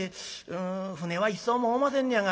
うん舟は一艘もおませんねやが」。